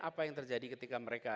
apa yang terjadi ketika mereka